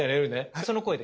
その声で。